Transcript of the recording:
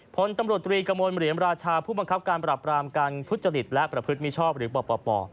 พลตำรวจตรีกระมวลเหรียญราชาผู้บังคับการปรับรามการทุจริตและประพฤติมิชอบหรือปป